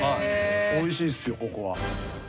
おいしいですよここは。